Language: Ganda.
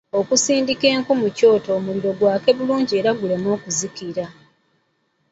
Okusindika enku mu kyoto omuliro gwake bulungi era guleme okuzikira.